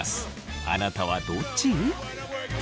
あなたはどっち？